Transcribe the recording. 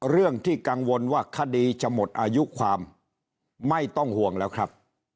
เรื่องที่กังวลว่าคดีจะหมดอายุความไม่ต้องห่วงแล้วครับ